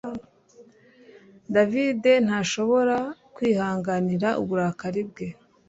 David ntashobora kwihanganira uburakari bwe